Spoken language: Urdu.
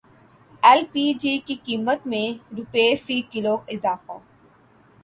ایل پی جی کی قیمت میں روپے فی کلو اضافہ